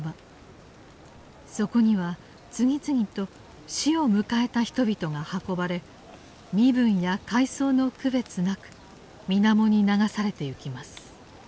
そこには次々と死を迎えた人々が運ばれ身分や階層の区別なく水面に流されてゆきます。